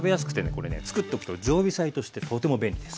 これねつくっておくと常備菜としてとても便利です。